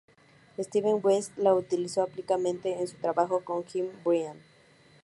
Speedy West la utilizó ampliamente en su trabajo con Jimmy Bryant.